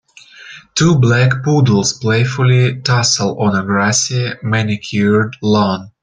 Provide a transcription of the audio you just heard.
Two black poodles playfully tussle on a grassy, manicured lawn.